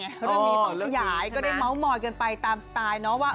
เรื่องนี้ต้องขยายก็ได้เมาส์มอยกันไปตามสไตล์เนาะว่า